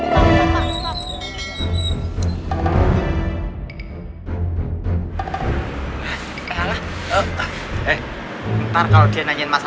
tunggu disini ya pak